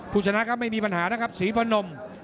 ชนะครับไม่มีปัญหานะครับศรีพนม